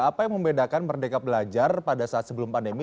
apa yang membedakan merdeka belajar pada saat sebelum pandemi